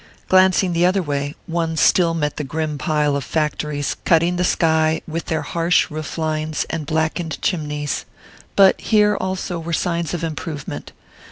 Glancing the other way, one still met the grim pile of factories cutting the sky with their harsh roof lines and blackened chimneys; but here also were signs of improvement.